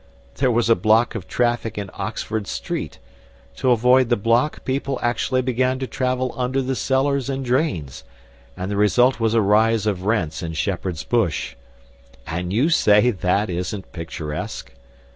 There was a block of traffic in Oxford Street; to avoid the block people actually began to travel under the cellars and drains, and the result was a rise of rents in Shepherd's Bush! And you say that isn't picturesque!